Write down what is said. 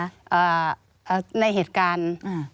อ่าในเหตุการณ์อ่า